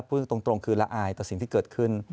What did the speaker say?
พูดตรงคือละอายต่อสิ่งที่เกิดขึ้น